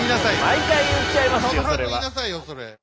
毎回言っちゃいますよそれは。